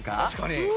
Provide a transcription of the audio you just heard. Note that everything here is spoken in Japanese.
確かに。